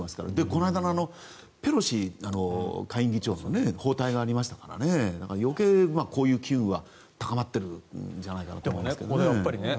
こないだのペロシ下院議長の訪台がありましたから余計、こういう機運が高まってるんじゃないかと思うんですけどね。